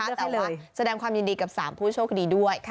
แต่ว่าแสดงความยินดีกับ๓ผู้โชคดีด้วย